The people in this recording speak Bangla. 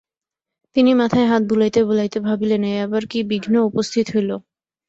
তিনি মাথায় হাত বুলাইতে বুলাইতে ভাবিলেন, এ আবার কী বিঘ্ন উপস্থিত হইল!